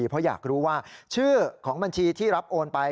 เพราะอยากรู้ว่าชื่อของบัญชีที่รับโอนไป